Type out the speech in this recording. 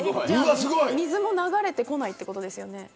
じゃあ、水も流れてこないってことですよね。